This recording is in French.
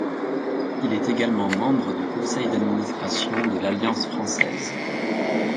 Il est également membre du conseil d’administration de l'Alliance française.